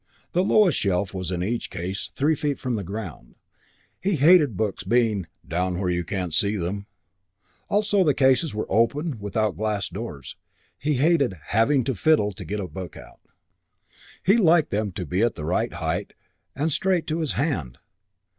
The lowest shelf was in each case three feet from the ground; he hated books being "down where you can't see them." Also the cases were open, without glass doors; he hated "having to fiddle to get out a book." He liked them to be just at the right height and straight to his hand.